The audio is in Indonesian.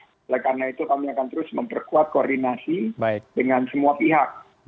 oleh karena itu kami akan terus memperkuat koordinasi dengan semua pihak